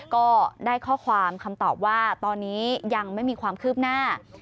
ก็ได้ข้อความคำตอบว่าตอนนี้ยังไม่มีความคืบหน้า